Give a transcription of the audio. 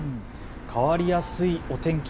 変わりやすいお天気。